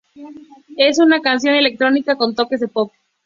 Es una canción electrónica con toques de pop.